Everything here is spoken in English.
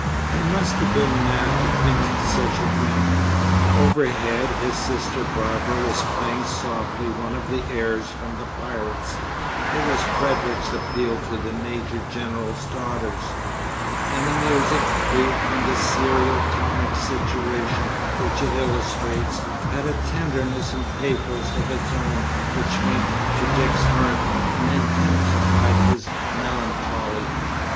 He must have been mad to think such a thing. Overhead his sister Barbara was playing softly one of the airs from "The Pirates" (it was Frederic's appeal to the Major General's daughters), and the music, freed from the serio comic situation which it illustrates, had a tenderness and pathos of its own which went to Dick's heart and intensified his melancholy.